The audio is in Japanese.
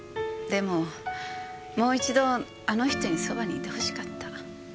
でももう一度あの人にそばにいてほしかった。